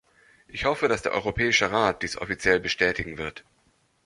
Ich hoffe, dass der Europäische Rat dies offiziell bestätigen wird.